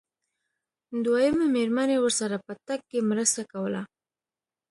دويمې مېرمنې ورسره په تګ کې مرسته کوله.